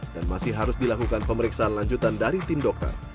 dan masih harus dilakukan pemeriksaan lanjutan dari tim dokter